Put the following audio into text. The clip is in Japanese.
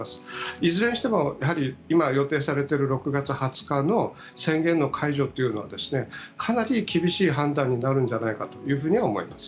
いずれにしてもやはり今、予定されている６月２０日の宣言の解除というのはかなり厳しい判断になるんじゃないかとは思います。